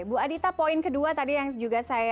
bu adita poin kedua tadi yang juga saya